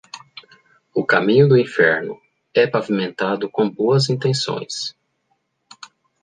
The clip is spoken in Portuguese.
O caminho do inferno é pavimentado com boas intenções.